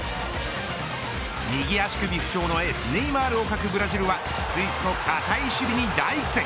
右足首負傷のエースネイマールを欠くブラジルはスイスの堅い守備に大苦戦。